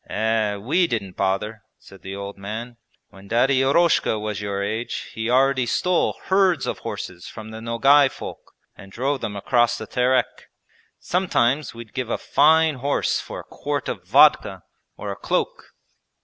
'Eh, we didn't bother,' said the old man; 'when Daddy Eroshka was your age he already stole herds of horses from the Nogay folk and drove them across the Terek. Sometimes we'd give a fine horse for a quart of vodka or a cloak.'